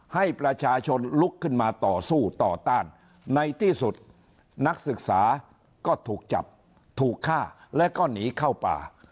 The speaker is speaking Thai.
ให้ประชาชนลุกขึ้นมาต่อสู้ต่อต้านในที่สุดนักศึกษาก็ถูกจับถูกฆ่าแล้วก็หนีเข้าป่า